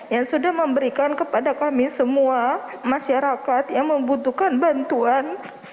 yang sudah memberikan kepada kami semua masyarakat yang membutuhkan bantuan